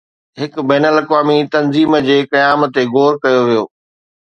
هڪ بين الاقوامي تنظيم جي قيام تي غور ڪيو ويو